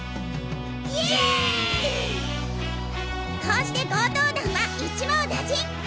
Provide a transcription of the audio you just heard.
「こうして強盗団は一網打尽。